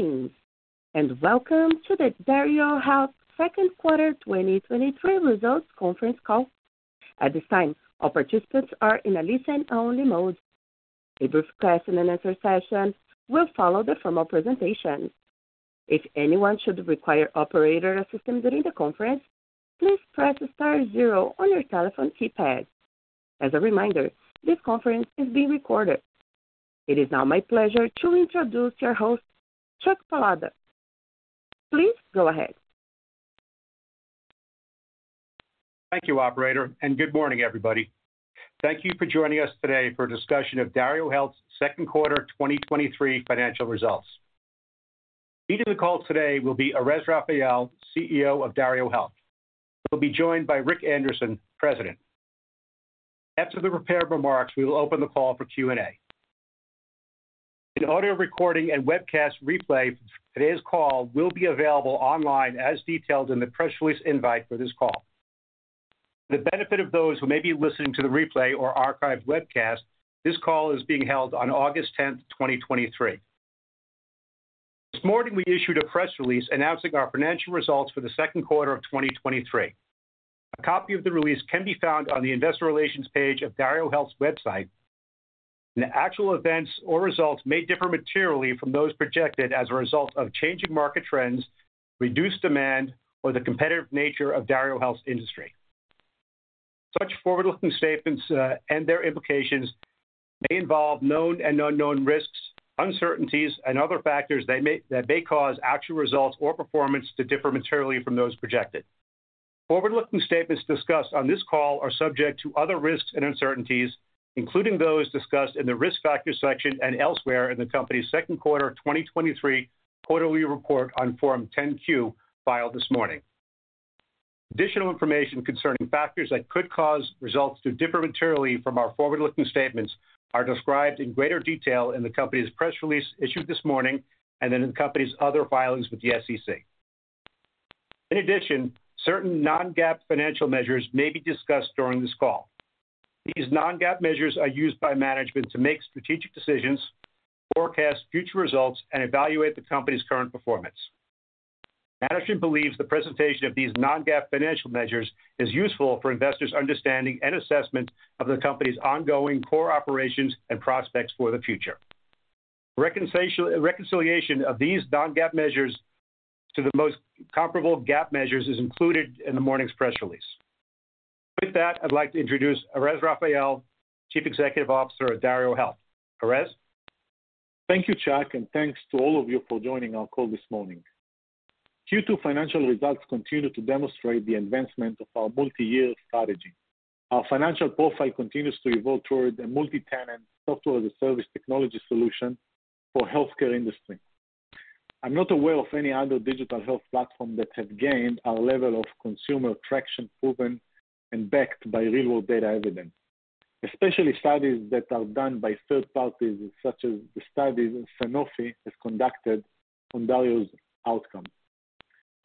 Good evening, and welcome to the DarioHealth Second Quarter 2023 Results Conference Call. At this time, all participants are in a listen-only mode. A brief question and answer session will follow the formal presentation. If anyone should require operator assistance during the conference, please press star zero on your telephone keypad. As a reminder, this conference is being recorded. It is now my pleasure to introduce your host, Chuck Padala. Please go ahead. Thank you, operator. Good morning, everybody. Thank you for joining us today for a discussion of DarioHealth's second quarter 2023 financial results. Leading the call today will be Erez Raphael, CEO of DarioHealth, who will be joined by Rick Anderson, President. After the prepared remarks, we will open the call for Q&A. An audio recording and webcast replay of today's call will be available online as detailed in the press release invite for this call. For the benefit of those who may be listening to the replay or archived webcast, this call is being held on August 10th, 2023. This morning, we issued a press release announcing our financial results for the second quarter of 2023. A copy of the release can be found on the investor relations page of DarioHealth's website. The actual events or results may differ materially from those projected as a result of changing market trends, reduced demand, or the competitive nature of DarioHealth's industry. Such forward-looking statements, and their implications may involve known and unknown risks, uncertainties, and other factors that may, that may cause actual results or performance to differ materially from those projected. Forward-looking statements discussed on this call are subject to other risks and uncertainties, including those discussed in the Risk Factors section and elsewhere in the company's second quarter 2023 quarterly report on Form 10-Q, filed this morning. Additional information concerning factors that could cause results to differ materially from our forward-looking statements are described in greater detail in the company's press release issued this morning and in the company's other filings with the SEC. In addition, certain non-GAAP financial measures may be discussed during this call. These non-GAAP measures are used by management to make strategic decisions, forecast future results, and evaluate the company's current performance. Management believes the presentation of these non-GAAP financial measures is useful for investors' understanding and assessment of the company's ongoing core operations and prospects for the future. Reconciliation of these non-GAAP measures to the most comparable GAAP measures is included in the morning's press release. With that, I'd like to introduce Erez Raphael, Chief Executive Officer of DarioHealth. Erez? Thank you, Chuck, and thanks to all of you for joining our call this morning. Q2 financial results continue to demonstrate the advancement of our multi-year strategy. Our financial profile continues to evolve toward a multi-tenant software as a service technology solution for healthcare industry. I'm not aware of any other digital health platform that has gained our level of consumer traction, proven and backed by real-world data evidence, especially studies that are done by third parties, such as the studies Sanofi has conducted on Dario's outcome.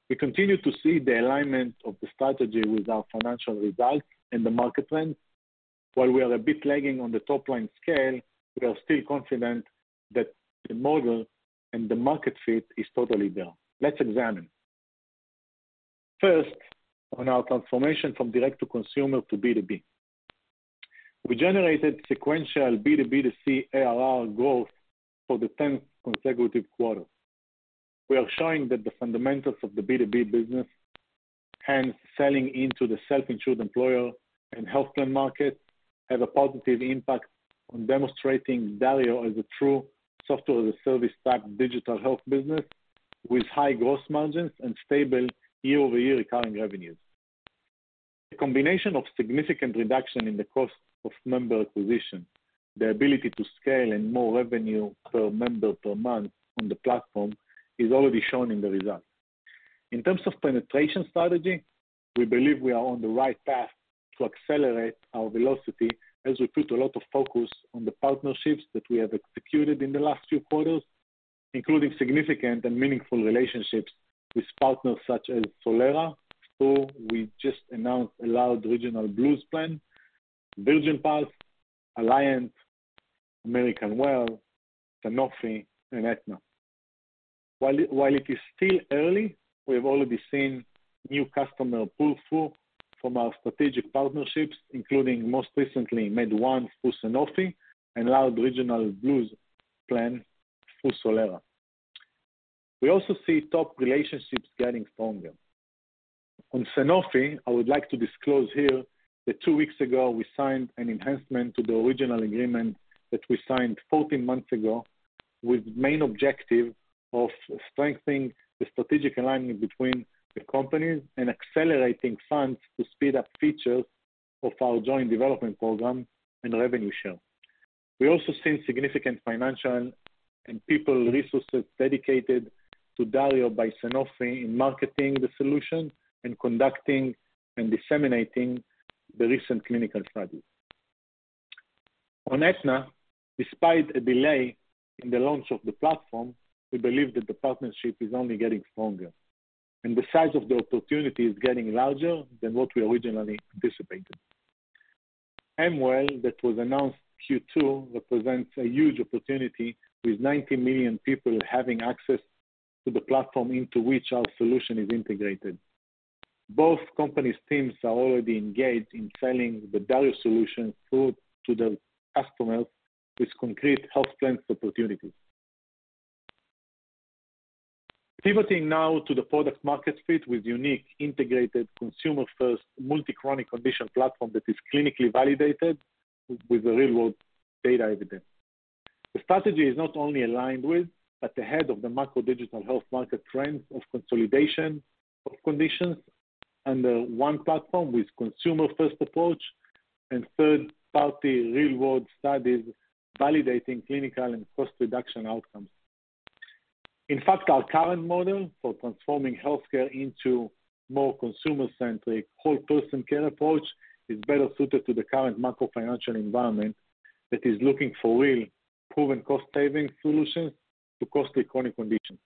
We continue to see the alignment of the strategy with our financial results and the market trends. While we are a bit lagging on the top-line scale, we are still confident that the model and the market fit is totally there. Let's examine. First, on our transformation from direct to consumer to B2B. We generated sequential B2B2C ARR growth for the tenth consecutive quarter. We are showing that the fundamentals of the B2B business, hence selling into the self-insured employer and health plan market, have a positive impact on demonstrating Dario as a true software as a service type digital health business with high gross margins and stable year-over-year recurring revenues. A combination of significant reduction in the cost of member acquisition, the ability to scale and more revenue per member per month on the platform, is already shown in the result. In terms of penetration strategy, we believe we are on the right path to accelerate our velocity as we put a lot of focus on the partnerships that we have executed in the last few quarters, including significant and meaningful relationships with partners such as Solera, who we just announced a large regional Blues plan, Virgin Pulse, Alliance, Amwell, Sanofi, and Aetna. While it is still early, we have already seen new customer pull-through from our strategic partnerships, including most recently, MedOne through Sanofi and large regional Blues plan for Solera. We also see top relationships getting stronger. On Sanofi, I would like to disclose here that two weeks ago, we signed an enhancement to the original agreement that we signed 14 months ago, with main objective of strengthening the strategic alignment between the companies and accelerating funds to speed up features of our joint development program and revenue share. We also seen significant financial and people resources dedicated to Dario by Sanofi in marketing the solution and conducting and disseminating the recent clinical studies. On Aetna, despite a delay in the launch of the platform, we believe that the partnership is only getting stronger and the size of the opportunity is getting larger than what we originally anticipated. Amwell, that was announced Q2, represents a huge opportunity, with 90 million people having access to the platform into which our solution is integrated. Both companies' teams are already engaged in selling the Dario solution through to the customers with concrete health plans opportunities. Pivoting now to the product-market fit with unique, integrated, consumer-first, multi-chronic condition platform that is clinically validated with the real-world data evidence. The strategy is not only aligned with, but ahead of the macro digital health market trends of consolidation of conditions under one platform with consumer-first approach and third-party real-world studies validating clinical and cost reduction outcomes. In fact, our current model for transforming healthcare into more consumer-centric whole-person care approach is better suited to the current macro financial environment that is looking for real proven cost-saving solutions to costly chronic conditions.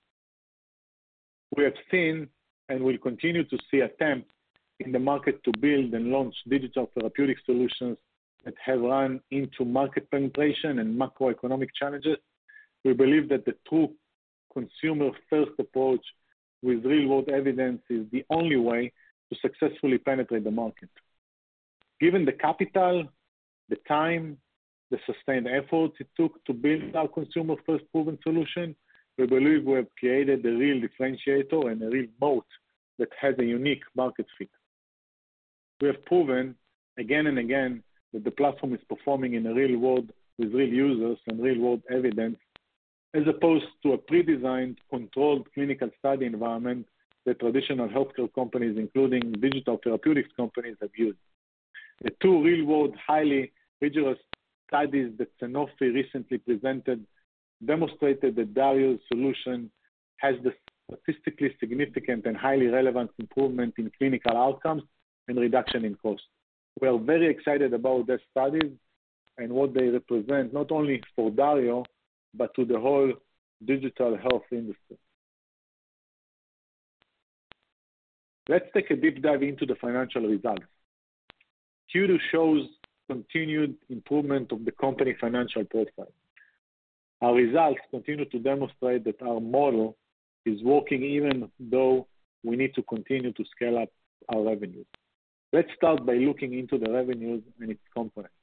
We have seen, and will continue to see, attempts in the market to build and launch digital therapeutic solutions that have run into market penetration and macroeconomic challenges. We believe that the true consumer-first approach with real-world evidence is the only way to successfully penetrate the market. Given the capital, the time, the sustained effort it took to build our consumer-first proven solution, we believe we have created a real differentiator and a real moat that has a unique market fit. We have proven again and again that the platform is performing in the real world with real users and real-world evidence, as opposed to a pre-designed, controlled clinical study environment that traditional healthcare companies, including digital therapeutics companies, have used. The two real-world, highly rigorous studies that Sanofi recently presented demonstrated that Dario's solution has the statistically significant and highly relevant improvement in clinical outcomes and reduction in cost. We are very excited about their studies and what they represent, not only for Dario, but to the whole digital health industry. Let's take a deep dive into the financial results. Q2 shows continued improvement of the company financial profile. Our results continue to demonstrate that our model is working, even though we need to continue to scale up our revenues. Let's start by looking into the revenues and its components.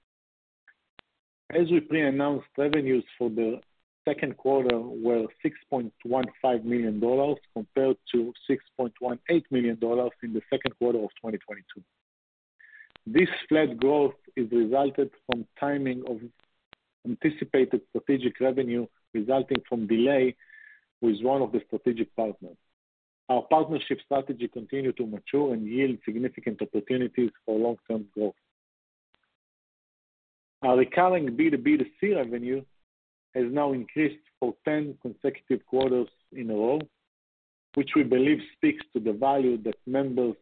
As we pre-announced, revenues for the 2nd quarter were $6.15 million, compared to $6.18 million in the 2nd quarter of 2022. This flat growth is resulted from timing of anticipated strategic revenue, resulting from delay with one of the strategic partners. Our partnership strategy continue to mature and yield significant opportunities for long-term growth. Our recurring B2B2C revenue has now increased for 10 consecutive quarters in a row, which we believe speaks to the value that members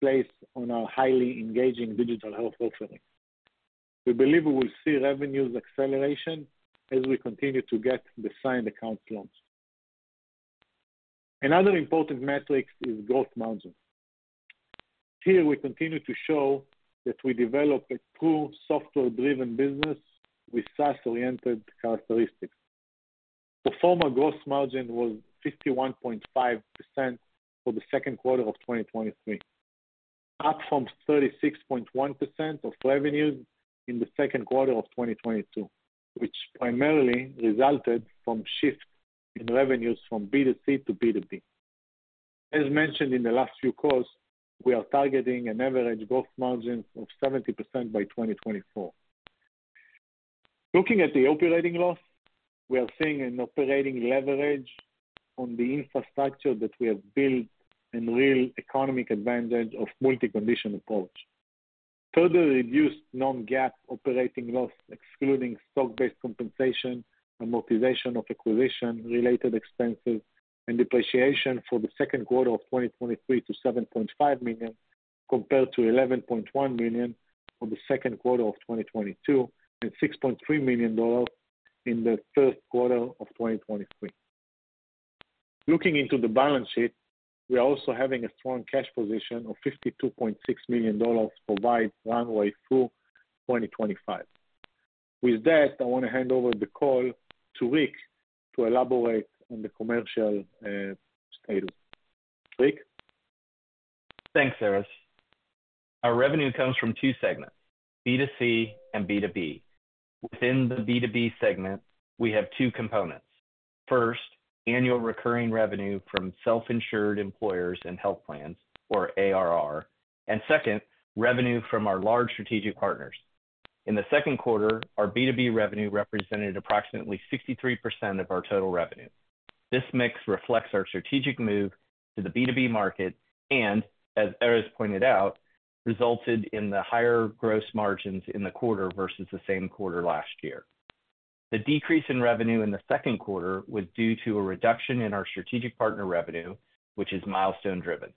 place on our highly engaging digital health offering. We believe we will see revenues acceleration as we continue to get the signed accounts launched. Another important metric is gross margin. Here, we continue to show that we develop a true software-driven business with SaaS-oriented characteristics. Pro forma gross margin was 51.5% for the second quarter of 2023, up from 36.1% of revenues in the second quarter of 2022, which primarily resulted from shift in revenues from B2C to B2B. As mentioned in the last few calls, we are targeting an average gross margin of 70% by 2024. Looking at the operating loss, we are seeing an operating leverage on the infrastructure that we have built and real economic advantage of multi-condition approach. Further reduced non-GAAP operating loss, excluding stock-based compensation, amortization of acquisition-related expenses, and depreciation for the second quarter of 2023 to $7.5 million, compared to $11.1 million for the second quarter of 2022, and $6.3 million in the first quarter of 2023. Looking into the balance sheet, we are also having a strong cash position of $52.6 million provide runway through 2025. With that, I want to hand over the call to Rick to elaborate on the commercial schedule. Rick? Thanks, Erez. Our revenue comes from two segments, B2C and B2B. Within the B2B segment, we have two components. First, annual recurring revenue from self-insured employers and health plans, or ARR, and second, revenue from our large strategic partners. In the second quarter, our B2B revenue represented approximately 63% of our total revenue. This mix reflects our strategic move to the B2B market and, as Erez pointed out, resulted in the higher gross margins in the quarter versus the same quarter last year. The decrease in revenue in the second quarter was due to a reduction in our strategic partner revenue, which is milestone-driven.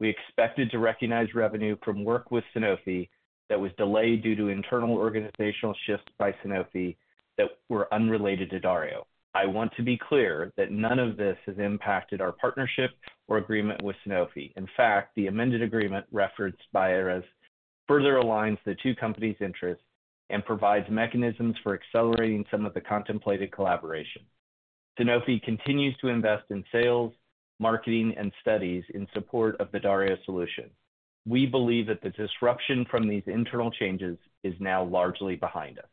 We expected to recognize revenue from work with Sanofi that was delayed due to internal organizational shifts by Sanofi that were unrelated to Dario. I want to be clear that none of this has impacted our partnership or agreement with Sanofi. In fact, the amended agreement referenced by Erez further aligns the two companies' interests and provides mechanisms for accelerating some of the contemplated collaboration. Sanofi continues to invest in sales, marketing, and studies in support of the Dario solution. We believe that the disruption from these internal changes is now largely behind us.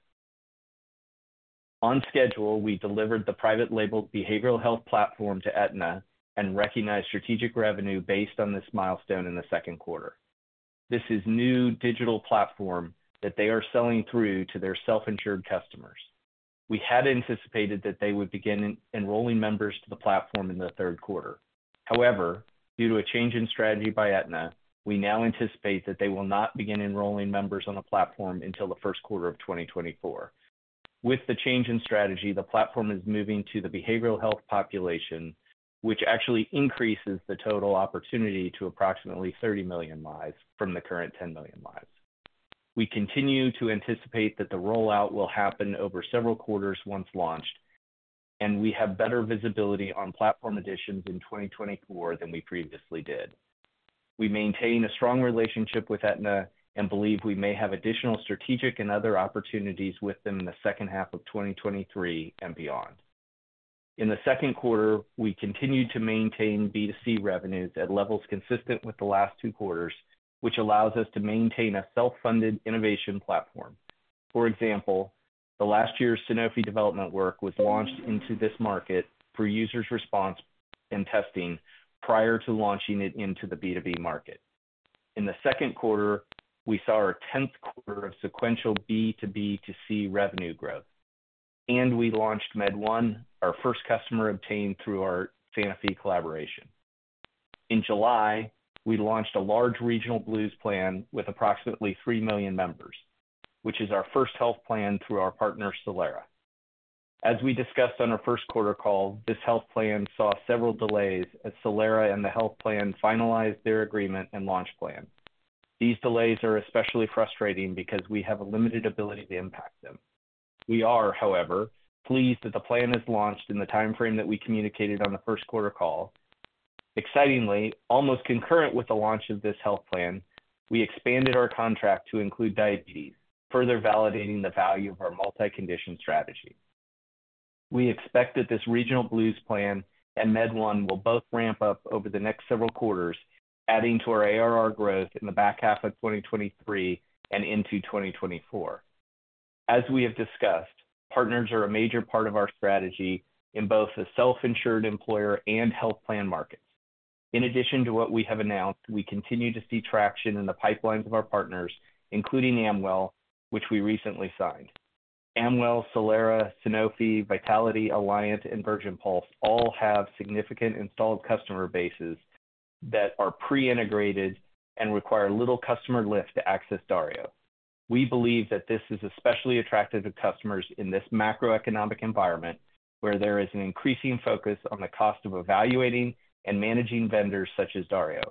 On schedule, we delivered the private label behavioral health platform to Aetna and recognized strategic revenue based on this milestone in the second quarter. This is new digital platform that they are selling through to their self-insured customers. We had anticipated that they would begin enrolling members to the platform in the third quarter. However, due to a change in strategy by Aetna, we now anticipate that they will not begin enrolling members on the platform until the first quarter of 2024. With the change in strategy, the platform is moving to the behavioral health population, which actually increases the total opportunity to approximately 30 million lives from the current 10 million lives. We continue to anticipate that the rollout will happen over several quarters once launched, and we have better visibility on platform additions in 2024 than we previously did. We maintain a strong relationship with Aetna and believe we may have additional strategic and other opportunities with them in the second half of 2023 and beyond. In the second quarter, we continued to maintain B2C revenues at levels consistent with the last two quarters, which allows us to maintain a self-funded innovation platform. For example, the last year's Sanofi development work was launched into this market for users' response and testing prior to launching it into the B2B market. In the second quarter, we saw our tenth quarter of sequential B2B2C revenue growth. We launched MedOne, our first customer obtained through our Sanofi collaboration. In July, we launched a large regional Blues plan with approximately 3 million members, which is our first health plan through our partner, Solera. As we discussed on our first quarter call, this health plan saw several delays as Solera and the health plan finalized their agreement and launch plan. These delays are especially frustrating because we have a limited ability to impact them. We are, however, pleased that the plan is launched in the time frame that we communicated on the first quarter call. Excitingly, almost concurrent with the launch of this health plan, we expanded our contract to include diabetes, further validating the value of our multi-condition strategy. We expect that this regional Blues plan and MedOne will both ramp up over the next several quarters, adding to our ARR growth in the back half of 2023 and into 2024. As we have discussed, partners are a major part of our strategy in both the self-insured employer and health plan markets. In addition to what we have announced, we continue to see traction in the pipelines of our partners, including Amwell, which we recently signed. Amwell, Solera, Sanofi, Vitality, Alliant, and Virgin Pulse all have significant installed customer bases that are pre-integrated and require little customer lift to access Dario. We believe that this is especially attractive to customers in this macroeconomic environment, where there is an increasing focus on the cost of evaluating and managing vendors such as Dario.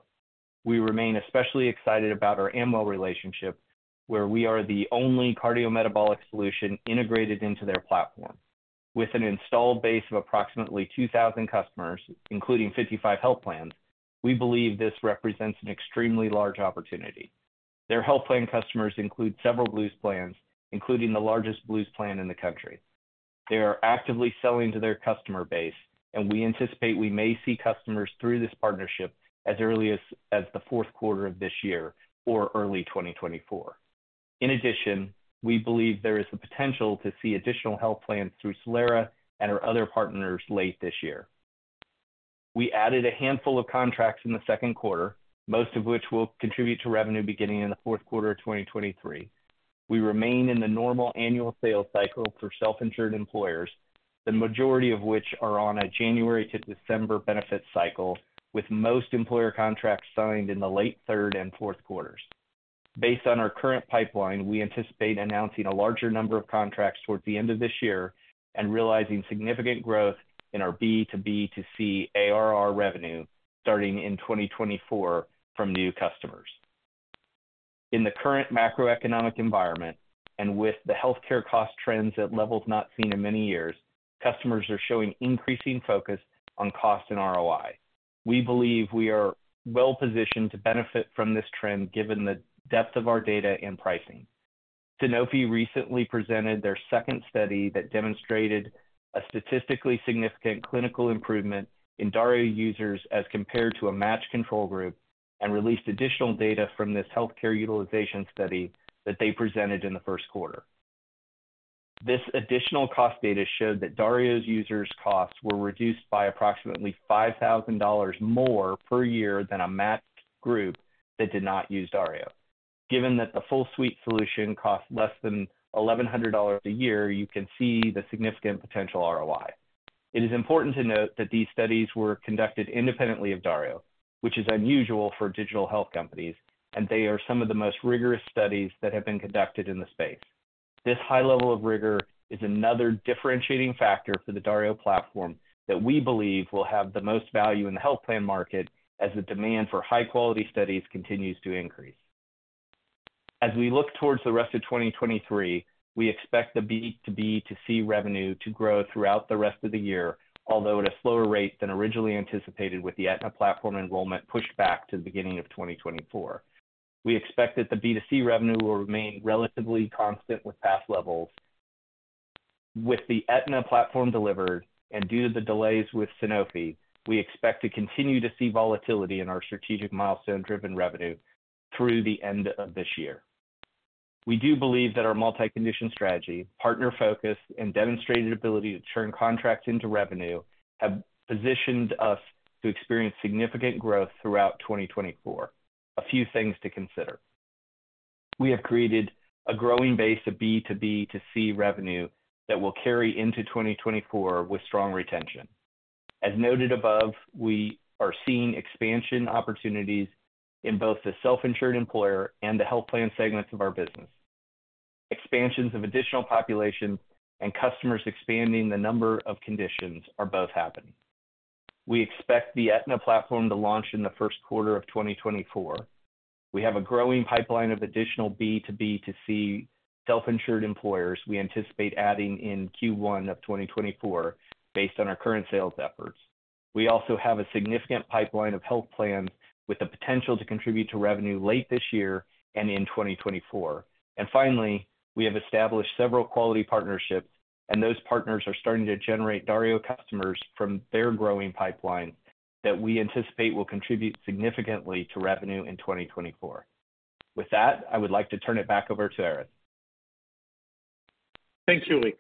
We remain especially excited about our Amwell relationship, where we are the only cardiometabolic solution integrated into their platform. With an installed base of approximately 2,000 customers, including 55 health plans, we believe this represents an extremely large opportunity. Their health plan customers include several Blues plans, including the largest Blues plan in the country. They are actively selling to their customer base, and we anticipate we may see customers through this partnership as early as the fourth quarter of this year or early 2024. In addition, we believe there is the potential to see additional health plans through Solera and our other partners late this year. We added a handful of contracts in the second quarter, most of which will contribute to revenue beginning in the fourth quarter of 2023. We remain in the normal annual sales cycle for self-insured employers, the majority of which are on a January to December benefit cycle, with most employer contracts signed in the late third and fourth quarters. Based on our current pipeline, we anticipate announcing a larger number of contracts towards the end of this year and realizing significant growth in our B2B2C ARR revenue starting in 2024 from new customers. In the current macroeconomic environment, and with the healthcare cost trends at levels not seen in many years, customers are showing increasing focus on cost and ROI. We believe we are well positioned to benefit from this trend, given the depth of our data and pricing. Sanofi recently presented their second study that demonstrated a statistically significant clinical improvement in Dario users as compared to a matched control group, and released additional data from this healthcare utilization study that they presented in the first quarter. This additional cost data showed that Dario's users' costs were reduced by approximately $5,000 more per year than a matched group that did not use Dario. Given that the full suite solution costs less than $1,100 a year, you can see the significant potential ROI. It is important to note that these studies were conducted independently of Dario, which is unusual for digital health companies, and they are some of the most rigorous studies that have been conducted in the space. This high level of rigor is another differentiating factor for the Dario platform that we believe will have the most value in the health plan market as the demand for high-quality studies continues to increase. As we look towards the rest of 2023, we expect the B2B2C revenue to grow throughout the rest of the year, although at a slower rate than originally anticipated, with the Aetna platform enrollment pushed back to the beginning of 2024. We expect that the B2C revenue will remain relatively constant with past levels. With the Aetna platform delivered and due to the delays with Sanofi, we expect to continue to see volatility in our strategic milestone-driven revenue through the end of this year. We do believe that our multi-condition strategy, partner focus, and demonstrated ability to turn contracts into revenue have positioned us to experience significant growth throughout 2024. A few things to consider: We have created a growing base of B2B2C revenue that will carry into 2024 with strong retention. As noted above, we are seeing expansion opportunities in both the self-insured employer and the health plan segments of our business. Expansions of additional population and customers expanding the number of conditions are both happening. We expect the Aetna platform to launch in the first quarter of 2024. We have a growing pipeline of additional B2B2C self-insured employers we anticipate adding in Q1 of 2024 based on our current sales efforts. We also have a significant pipeline of health plans with the potential to contribute to revenue late this year and in 2024. Finally, we have established several quality partnerships, and those partners are starting to generate Dario customers from their growing pipeline that we anticipate will contribute significantly to revenue in 2024. With that, I would like to turn it back over to Erez Raphael. Thanks, k.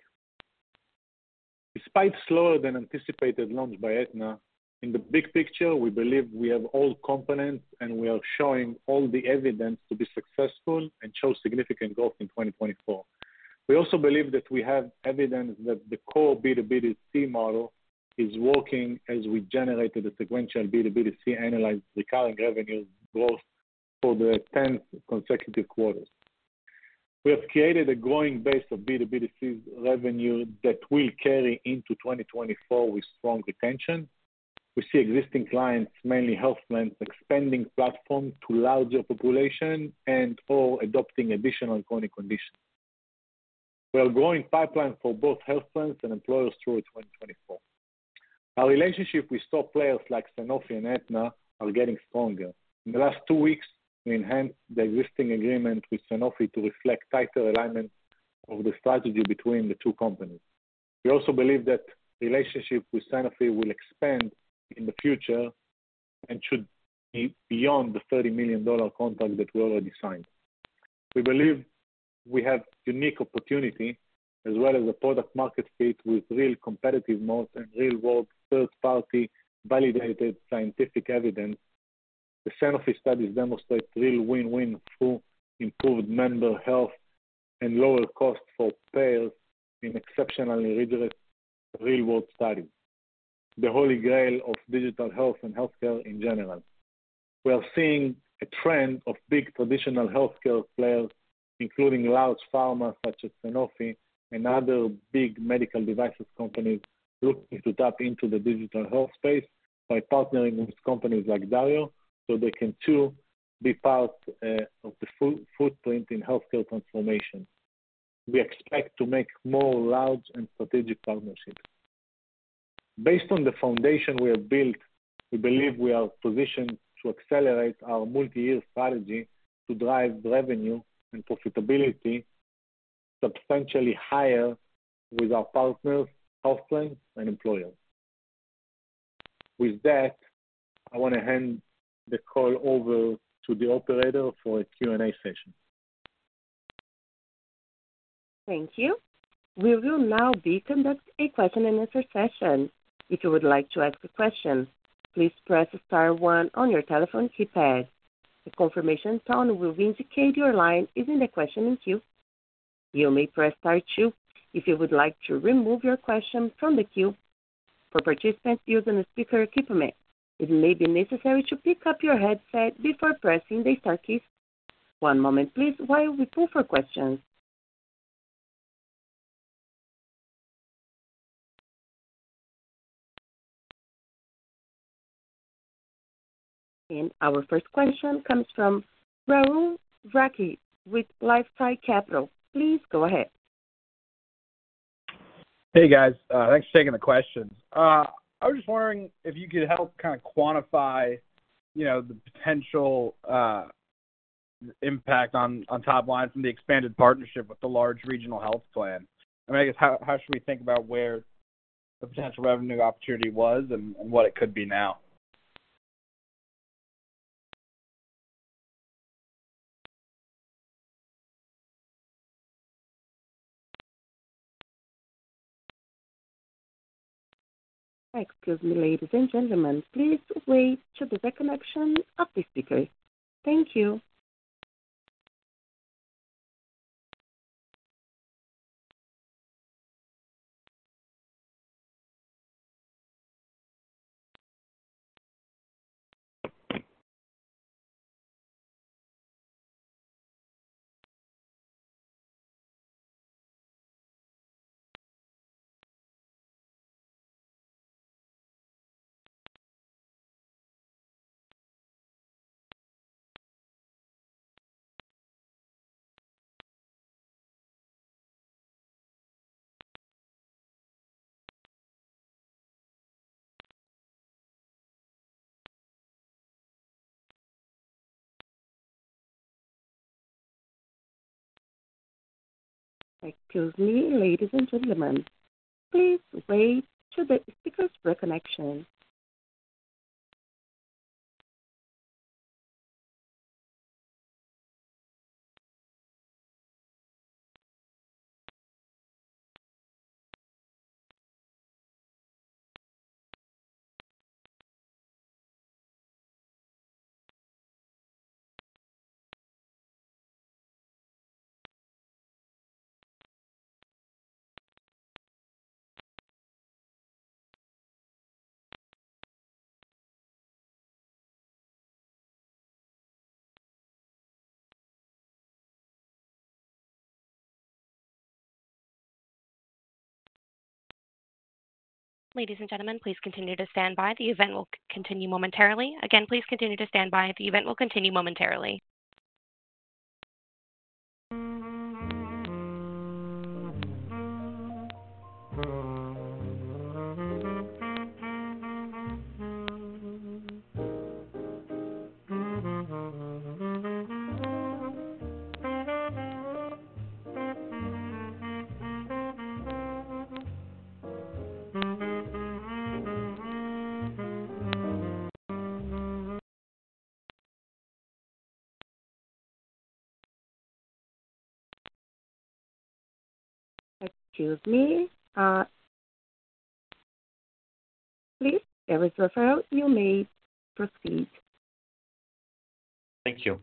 Despite slower than anticipated launch by Aetna, in the big picture, we believe we have all components, and we are showing all the evidence to be successful and show significant growth in 2024. We also believe that we have evidence that the core B2B2C model is working as we generated a sequential B2B2C analyzed recurring revenue growth for the 10th consecutive quarter. We have created a growing base of B2B2C revenue that will carry into 2024 with strong retention. We see existing clients, mainly health plans, expanding platform to larger population and/or adopting additional chronic conditions. We have growing pipeline for both health plans and employers through 2024. Our relationship with top players like Sanofi and Aetna are getting stronger. In the last two weeks, we enhanced the existing agreement with Sanofi to reflect tighter alignment of the strategy between the two companies. We also believe that relationship with Sanofi will expand in the future and should be beyond the $30 million contract that we already signed. We believe we have unique opportunity as well as a product market fit with real competitive mode and real-world, third-party, validated scientific evidence. The Sanofi studies demonstrate real win-win through improved member health and lower cost for payers in exceptionally rigorous real-world studies, the holy grail of digital health and healthcare in general. We are seeing a trend of big traditional healthcare players, including large pharma such as Sanofi and other big medical devices companies, looking to tap into the digital health space by partnering with companies like Dario, so they can too be part of the footprint in healthcare transformation. We expect to make more large and strategic partnerships. Based on the foundation we have built, we believe we are positioned to accelerate our multi-year strategy to drive revenue and profitability substantially higher with our partners, health plans, and employers. With that, I want to hand the call over to the operator for a Q&A session. Thank you. We will now be conducting a question and answer session. If you would like to ask a question, please press star one on your telephone keypad. A confirmation tone will indicate your line is in the questioning queue. You may press star two if you would like to remove your question from the queue. For participants using the speaker equipment, it may be necessary to pick up your headset before pressing the star key. One moment please while we pull for questions. Our first question comes from Rahul Rokde with LifeSci Capital. Please go ahead. Hey, guys. Thanks for taking the questions. I was just wondering if you could help kind of quantify, you know, the potential impact on, on top line from the expanded partnership with the large regional health plan. I mean, I guess how, how should we think about where the potential revenue opportunity was and, and what it could be now? Excuse me, ladies and gentlemen, please wait to the reconnection of the speaker. Thank you. ... Excuse me, ladies and gentlemen. Please wait to the speaker's reconnection. Ladies and gentlemen, please continue to stand by. The event will continue momentarily. Again, please continue to stand by. The event will continue momentarily. Excuse me, please, Erez Raphael, you may proceed. Thank you.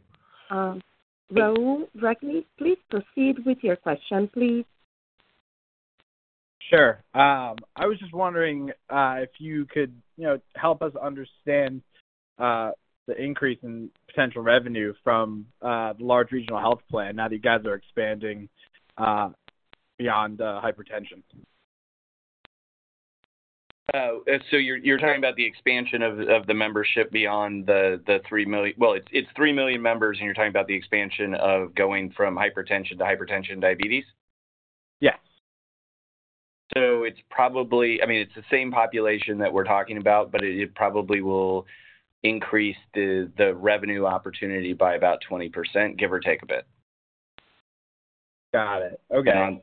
Rahul Rokde, please proceed with your question, please. Sure. I was just wondering if you could help us understand the increase in potential revenue from the large regional health plan now that you guys are expanding beyond hypertension? You're, you're talking about the expansion of, of the membership beyond the, the 3 million, Well, it's, it's 3 million members, and you're talking about the expansion of going from hypertension to hypertension, diabetes? Yeah. It's probably, I mean, it's the same population that we're talking about, but it, it probably will increase the, the revenue opportunity by about 20%, give or take a bit. Got it. Okay.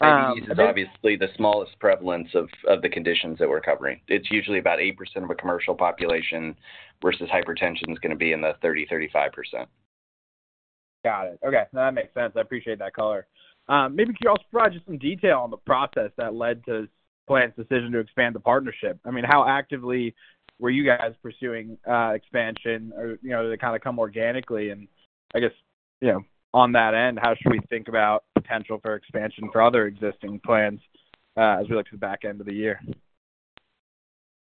Diabetes is obviously the smallest prevalence of, of the conditions that we're covering. It's usually about 8% of a commercial population, versus hypertension is going to be in the 30%-35%. Got it. Okay, that makes sense. I appreciate that color. Maybe could you also provide just some detail on the process that led to the client's decision to expand the partnership? I mean, how actively were you guys pursuing expansion, or, you know, did it kind of come organically? I guess, you know, on that end, how should we think about potential for expansion for other existing plans, as we look to the back end of the year?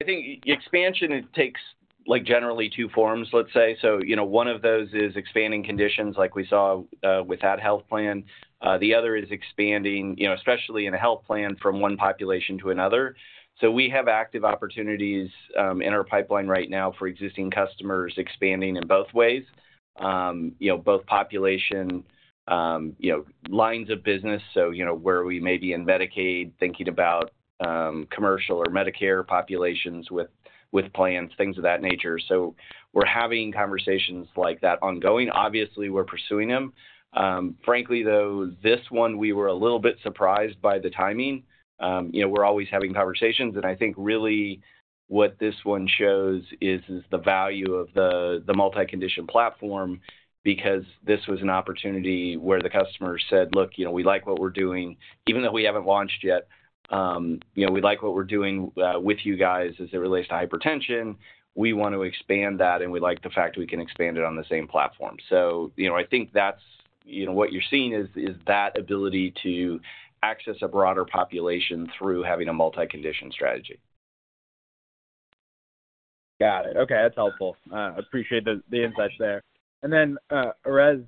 I think e-expansion, it takes, like, generally two forms, let's say. You know, one of those is expanding conditions like we saw with that health plan. The other is expanding, you know, especially in a health plan from one population to another. We have active opportunities in our pipeline right now for existing customers expanding in both ways, you know, both population, you know, lines of business. You know, where we may be in Medicaid, thinking about commercial or Medicare populations with, with plans, things of that nature. We're having conversations like that ongoing. Obviously, we're pursuing them. Frankly, though, this one, we were a little bit surprised by the timing. You know, we're always having conversations, and I think really what this one shows is, is the value of the, the multi-condition platform, because this was an opportunity where the customer said, "Look, you know, we like what we're doing. Even though we haven't launched yet, you know, we like what we're doing with you guys as it relates to hypertension. We want to expand that, and we like the fact we can expand it on the same platform." You know, I think that's, you know, what you're seeing is, is that ability to access a broader population through having a multi-condition strategy. Got it. Okay, that's helpful. I appreciate the, the insight there. Then, Erez,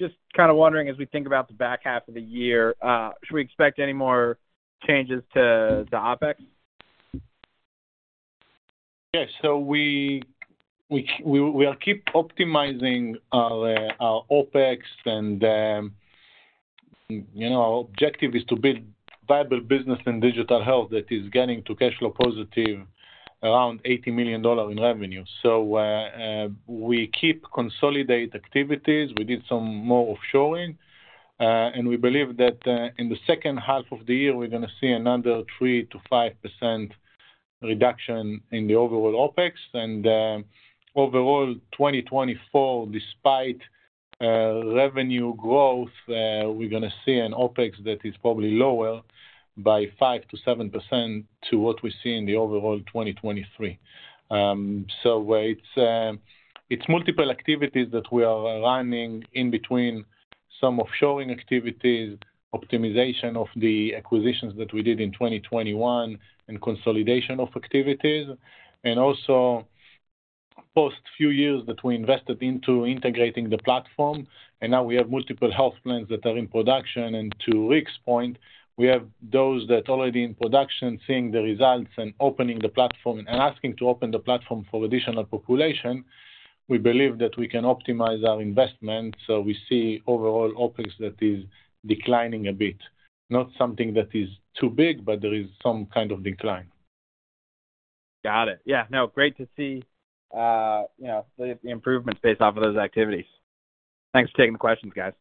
just kind of wondering, as we think about the back half of the year, should we expect any more changes to, to OpEx? Yes. We, we, we, we'll keep optimizing our OpEx and, you know, our objective is to build viable business in digital health that is getting to cash flow positive around $80 million in revenue. We keep consolidate activities. We did some more offshoring, and we believe that in the second half of the year, we're going to see another 3% to 5% reduction in the overall OpEx. Overall, 2024, despite revenue growth, we're going to see an OpEx that is probably lower by 5% to 7% to what we see in the overall 2023. It's, it's multiple activities that we are running in between some offshoring activities, optimization of the acquisitions that we did in 2021 and consolidation of activities, and also post few years that we invested into integrating the platform. Now we have multiple health plans that are in production, and to Rick's point, we have those that are already in production, seeing the results and opening the platform and asking to open the platform for additional population.... We believe that we can optimize our investment. We see overall OpEx that is declining a bit. Not something that is too big. There is some kind of decline. Got it. Yeah, no, great to see, you know, the, the improvement based off of those activities. Thanks for taking the questions, guys.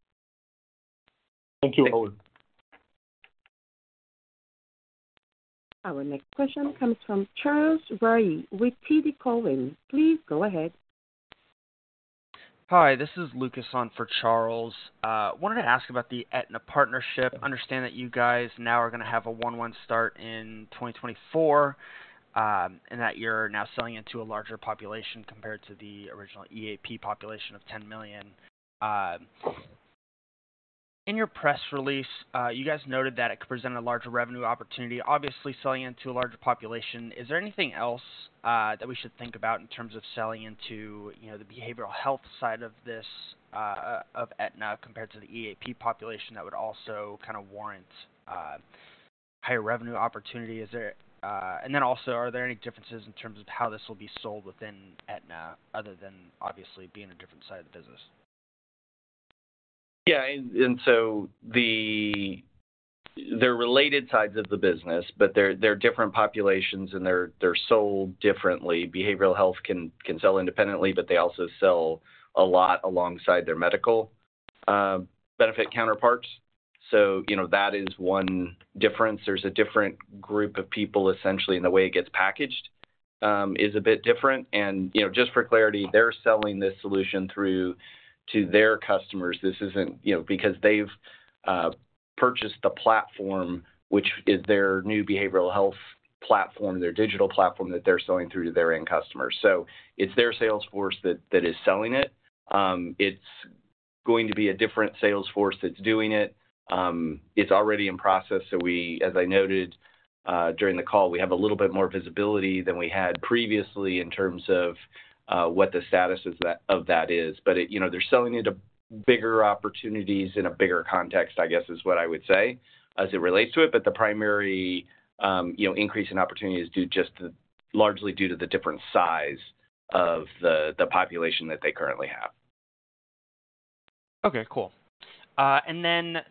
Thank you, Owen. Our next question comes from Charles Rhyee with TD Cowen. Please go ahead. Hi, this is Lucas on for Charles. Wanted to ask about the Aetna partnership. Understand that you guys now are going to have a 1/1 start in 2024, and that you're now selling it to a larger population compared to the original EAP population of 10 million. In your press release, you guys noted that it could present a larger revenue opportunity, obviously selling into a larger population. Is there anything else that we should think about in terms of selling into, you know, the behavioral health side of this, of Aetna, compared to the EAP population, that would also kind of warrant higher revenue opportunity? Then also, are there any differences in terms of how this will be sold within Aetna, other than obviously being a different side of the business? Yeah, so the... They're related sides of the business, but they're, they're different populations, and they're, they're sold differently. Behavioral health can, can sell independently, but they also sell a lot alongside their medical benefit counterparts. You know, that is one difference. There's a different group of people, essentially, and the way it gets packaged is a bit different. You know, just for clarity, they're selling this solution through to their customers. This isn't, you know, because they've purchased the platform, which is their new behavioral health platform, their digital platform, that they're selling through to their end customers. It's their sales force that, that is selling it. It's going to be a different sales force that's doing it. It's already in process. We, as I noted, during the call, we have a little bit more visibility than we had previously in terms of what the status is of that, of that is. You know, they're selling it to bigger opportunities in a bigger context, I guess, is what I would say as it relates to it. The primary, you know, increase in opportunity is largely due to the different size of the population that they currently have. Okay, cool.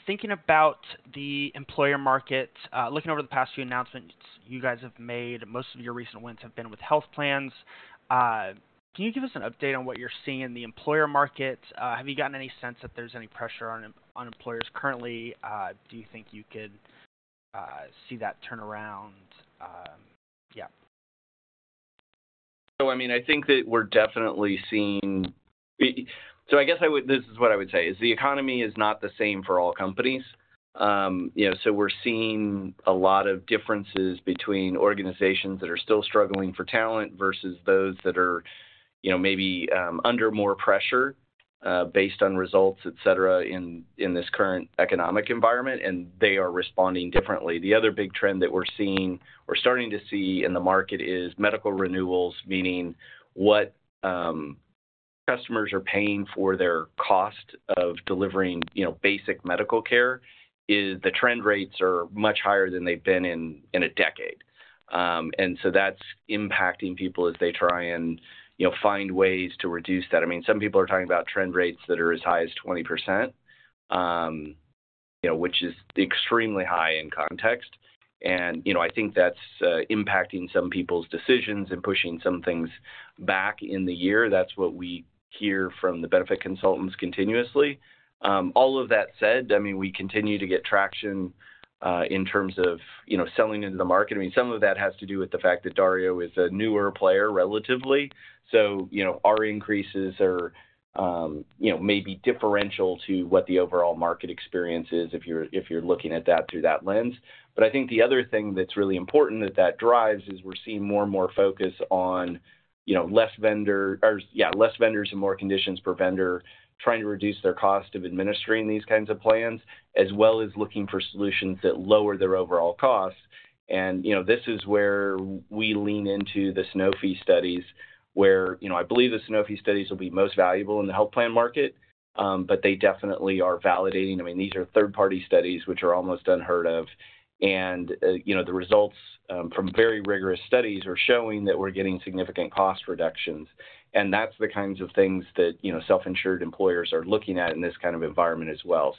Thinking about the employer market, looking over the past few announcements you guys have made, most of your recent wins have been with health plans. Can you give us an update on what you're seeing in the employer market? Have you gotten any sense that there's any pressure on, on employers currently? Do you think you could see that turn around? I mean, I think that we're definitely seeing-- So I guess I would... This is what I would say: is the economy is not the same for all companies. You know, so we're seeing a lot of differences between organizations that are still struggling for talent versus those that are, you know, maybe under more pressure based on results, et cetera, in, in this current economic environment, and they are responding differently. The other big trend that we're seeing, or starting to see in the market is medical renewals, meaning what, customers are paying for their cost of delivering, you know, basic medical care, is the trend rates are much higher than they've been in, in a decade. That's impacting people as they try and, you know, find ways to reduce that. I mean, some people are talking about trend rates that are as high as 20%, you know, which is extremely high in context. You know, I think that's impacting some people's decisions and pushing some things back in the year. That's what we hear from the benefit consultants continuously. All of that said, I mean, we continue to get traction, in terms of, you know, selling into the market. I mean, some of that has to do with the fact that Dario is a newer player, relatively. You know, our increases are, you know, maybe differential to what the overall market experience is, if you're, if you're looking at that through that lens. I think the other thing that's really important that, that drives is we're seeing more and more focus on, you know, less vendor or, yeah, less vendors and more conditions per vendor, trying to reduce their cost of administering these kinds of plans, as well as looking for solutions that lower their overall costs. You know, this is where we lean into the Sanofi studies, where, you know, I believe the Sanofi studies will be most valuable in the health plan market, but they definitely are validating. I mean, these are third-party studies, which are almost unheard of. You know, the results from very rigorous studies are showing that we're getting significant cost reductions, and that's the kinds of things that, you know, self-insured employers are looking at in this kind of environment as well.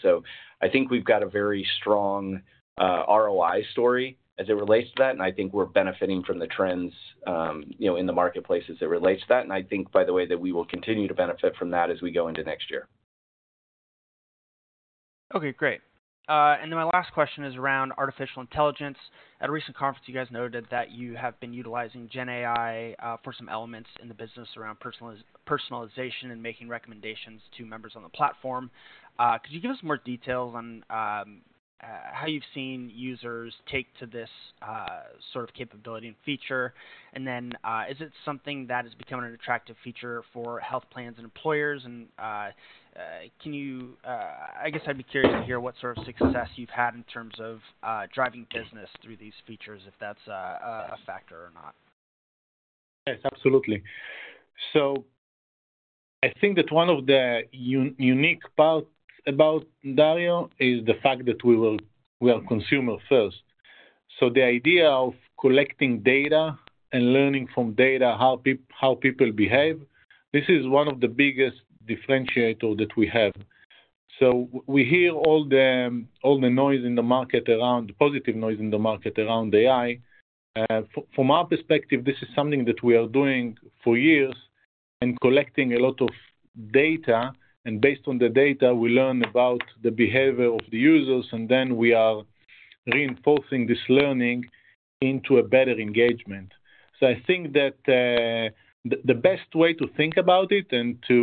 I think we've got a very strong, ROI story as it relates to that, and I think we're benefiting from the trends, you know, in the marketplace as it relates to that. I think, by the way, that we will continue to benefit from that as we go into next year. Okay, great. Then my last question is around artificial intelligence. At a recent conference, you guys noted that you have been utilizing GenAI for some elements in the business around personaliz- personalization and making recommendations to members on the platform. Could you give us more details on how you've seen users take to this sort of capability and feature? Then, is it something that is becoming an attractive feature for health plans and employers? Can you, I guess I'd be curious to hear what sort of success you've had in terms of, driving business through these features, if that's a, a factor or not. Yes, absolutely. I think that one of the unique parts about Dario is the fact that we are consumer first. The idea of collecting data and learning from data, how people behave. This is one of the biggest differentiator that we have. We hear all the all the noise in the market around positive noise in the market around AI. From our perspective, this is something that we are doing for years and collecting a lot of data. Based on the data, we learn about the behavior of the users, and then we are reinforcing this learning into a better engagement. I think that the best way to think about it and to,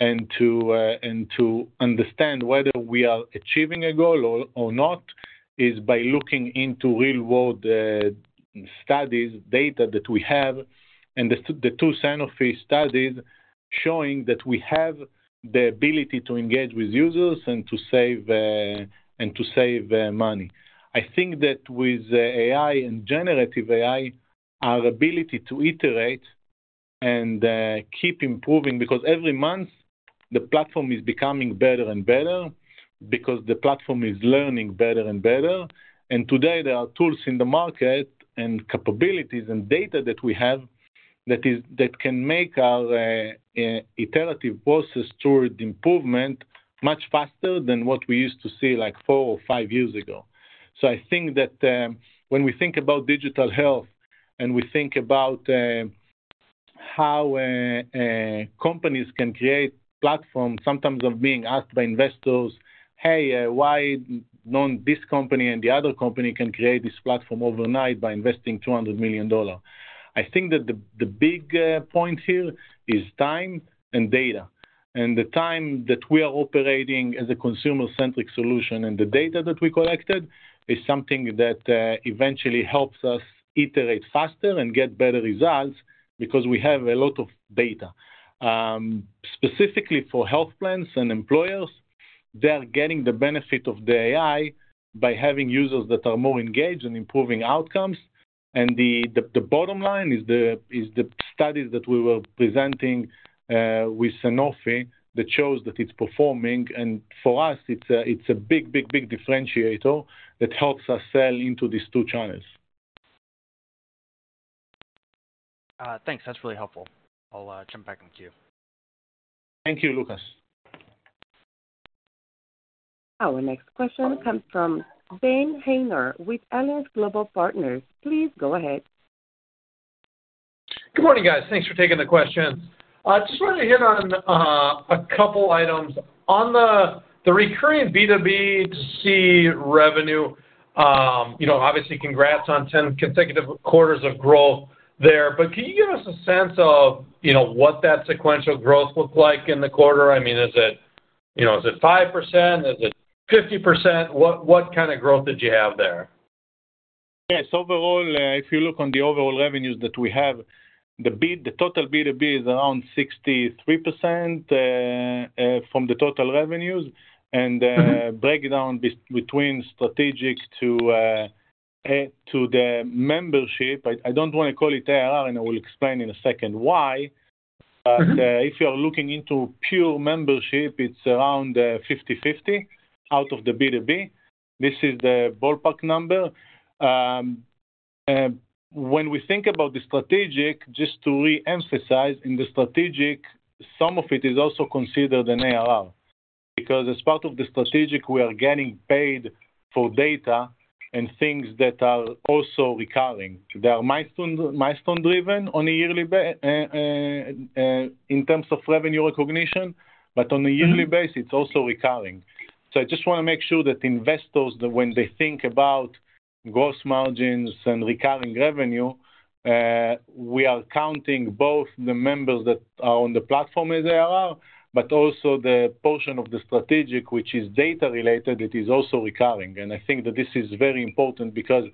and to, and to understand whether we are achieving a goal or not, is by looking into real-world studies, data that we have, and the two, the two Sanofi studies showing that we have the ability to engage with users and to save, and to save money. I think that with AI and generative AI, our ability to iterate and keep improving, because every month the platform is becoming better and better, because the platform is learning better and better. Today there are tools in the market and capabilities and data that we have that can make our iterative process toward improvement much faster than what we used to see, like, four or five years ago. I think that, when we think about digital health and we think about how companies can create platforms, sometimes I'm being asked by investors, "Hey, why don't this company and the other company can create this platform overnight by investing $200 million?" I think that the, the big point here is time and data, and the time that we are operating as a consumer-centric solution and the data that we collected is something that eventually helps us iterate faster and get better results because we have a lot of data. Specifically for health plans and employers, they are getting the benefit of the AI by having users that are more engaged in improving outcomes. The, the, the bottom line is the, is the studies that we were presenting with Sanofi that shows that it's performing, and for us, it's a, it's a big, big, big differentiator that helps us sell into these two channels. Thanks. That's really helpful. I'll jump back in queue. Thank you, Lucas. Our next question comes from Dane Leone with Alliance Global Partners. Please go ahead. Good morning, guys. Thanks for taking the questions. I just wanted to hit on a couple items. On the recurring B2B2C revenue, you know, obviously congrats on 10 consecutive quarters of growth there, but can you give us a sense of, you know, what that sequential growth looked like in the quarter? I mean, is it, you know, is it 5%, is it 50%? What, what kind of growth did you have there? Yes, overall, if you look on the overall revenues that we have, the total B2B is around 63% from the total revenues. Mm-hmm. Breakdown between strategic to the membership, I, I don't want to call it ARR, and I will explain in a second why. Mm-hmm. If you are looking into pure membership, it's around 50/50 out of the B2B. This is the ballpark number. When we think about the strategic, just to re-emphasize, in the strategic, some of it is also considered an ARR, because as part of the strategic, we are getting paid for data and things that are also recurring. They are milestone, milestone-driven on a yearly in terms of revenue recognition, but on a yearly- Mm-hmm... basis, it's also recurring. I just want to make sure that investors, that when they think about gross margins and recurring revenue, we are counting both the members that are on the platform as ARR, but also the portion of the strategic, which is data-related, it is also recurring. I think that this is very important because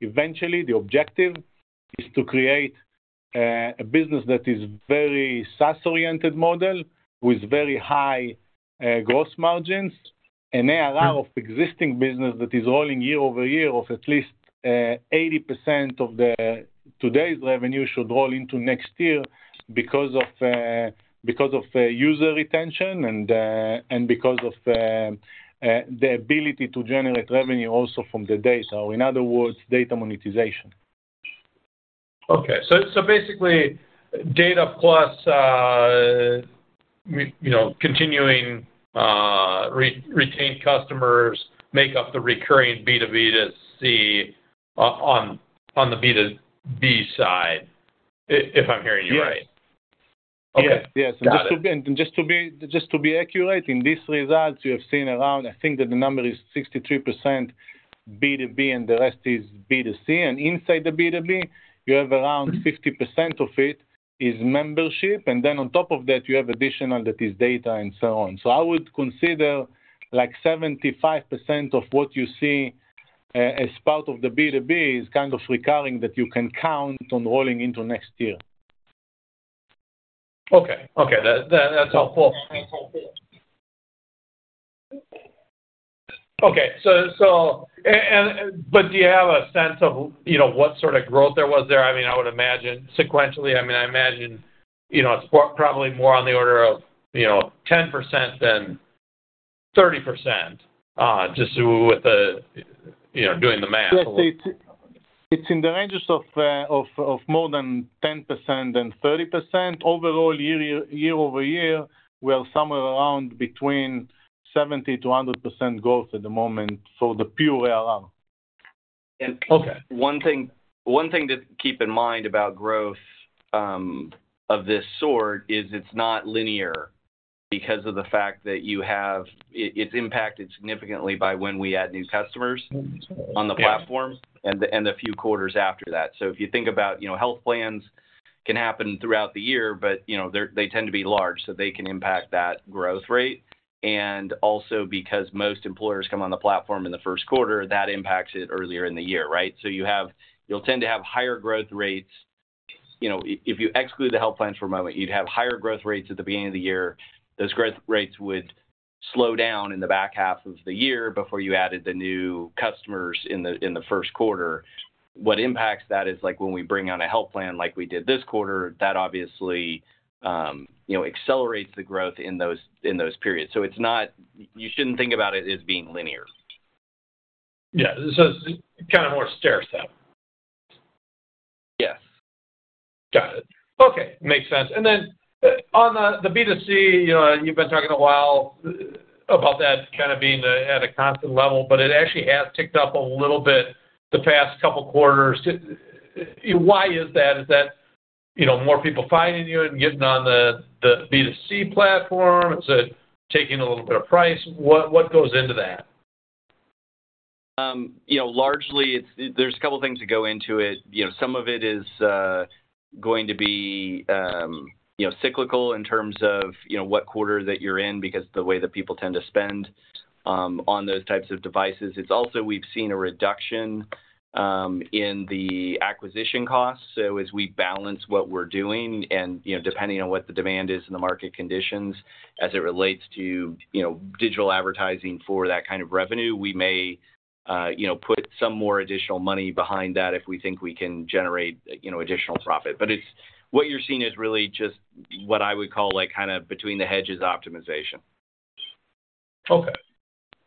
eventually the objective is to create a business that is very SaaS-oriented model with very high gross margins. Mm-hmm... of existing business that is rolling year-over-year of at least 80% of the today's revenue should roll into next year because of, because of, user retention and, and because of, the ability to generate revenue also from the data. In other words, data monetization. Okay. Basically, data plus, you know, continuing, retained customers make up the recurring B2B2C on, on the B2B side, if, if I'm hearing you right? Yes. Okay. Yes. Got it. Just to be, just to be accurate, in these results, you have seen around, I think that the number is 63% B2B, and the rest is B2C. Inside the B2B, you have around. Mm-hmm... 50% of it is membership, and then on top of that, you have additional, that is data and so on. I would consider, like, 75% of what you see, as part of the B2B is kind of recurring that you can count on rolling into next year. Okay. Okay, that, that, that's helpful. Okay, so, so... Do you have a sense of, you know, what sort of growth there was there? I mean, I would imagine sequentially, I mean, I imagine, you know, it's probably more on the order of, you know, 10% than 30%, just with the, you know, doing the math. Yes, it, it's in the ranges of more than 10% and 30%. Overall, year-over-year, we are somewhere around between 70%-100% growth at the moment, so the pure AR. Okay. One thing, one thing to keep in mind about growth of this sort is it's not linear because of the fact that you have it's impacted significantly by when we add new customers on the platform. Yeah. A few quarters after that. If you think about, you know, health plans can happen throughout the year, but, you know, they're, they tend to be large, so they can impact that growth rate. Also because most employers come on the platform in the first quarter, that impacts it earlier in the year, right? You have, you'll tend to have higher growth rates, you know, if you exclude the health plans for a moment, you'd have higher growth rates at the beginning of the year. Those growth rates would slow down in the back half of the year before you added the new customers in the first quarter. What impacts that is, like, when we bring on a health plan, like we did this quarter, that obviously, you know, accelerates the growth in those, in those periods. You shouldn't think about it as being linear. Yeah. It's kind of more stair-step? Yes. Got it. Okay. Makes sense. Then on the, the B2C, you know, you've been talking a while about that kind of being at a constant level, but it actually has ticked up a little bit the past couple quarters. Why is that? Is that, you know, more people finding you and getting on the, the B2C platform? Is it taking a little bit of price? What goes into that? you know, largely, it's, there's a couple things that go into it. You know, some of it is going to be, you know, cyclical in terms of, you know, what quarter that you're in, because the way that people tend to spend on those types of devices. It's also, we've seen a reduction in the acquisition costs. As we balance what we're doing, and, you know, depending on what the demand is in the market conditions as it relates to, you know, digital advertising for that kind of revenue, we may, you know, put some more additional money behind that if we think we can generate, you know, additional profit. It's, what you're seeing is really just what I would call, like, kind of between the hedges optimization. Okay.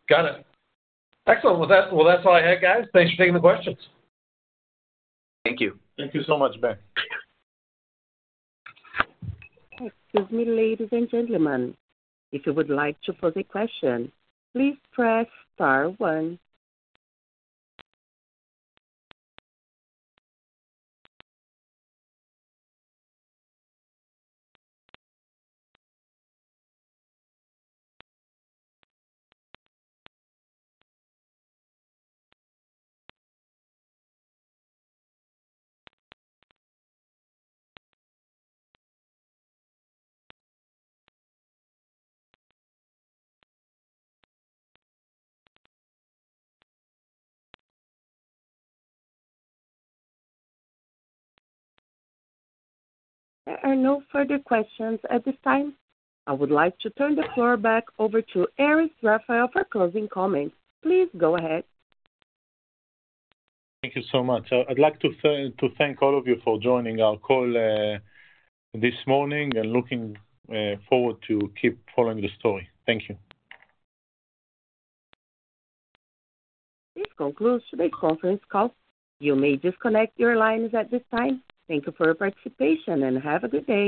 Got it. Excellent. Well, that's, well, that's all I had, guys. Thanks for taking the questions. Thank you. Thank you so much, Dane. Excuse me, ladies and gentlemen. If you would like to pose a question, please press star 1. There are no further questions at this time. I would like to turn the floor back over to Erez Raphael for closing comments. Please go ahead. Thank you so much. I'd like to thank all of you for joining our call, this morning and looking forward to keep following the story. Thank you. This concludes today's conference call. You may disconnect your lines at this time. Thank you for your participation, and have a good day.